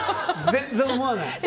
全然思わない。